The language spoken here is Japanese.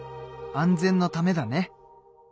安全のためだね。